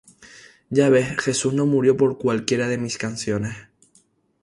Ya ves, Jesús no murió por cualquiera de mis canciones.